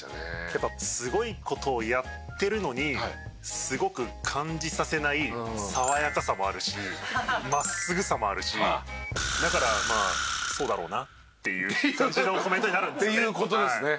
やっぱすごい事をやってるのにすごく感じさせない爽やかさもあるし真っすぐさもあるしだからまあそうだろうなっていう感じのコメントになるんですかね。